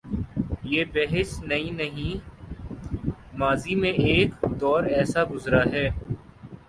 یہ بحث نئی نہیں، ماضی میں ایک دور ایسا گزرا ہے۔